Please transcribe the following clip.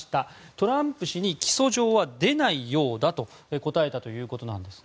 トランプ氏に起訴状は出ないようだと答えたということなんです。